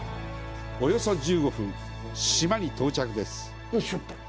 およそ１５分、島に到着です。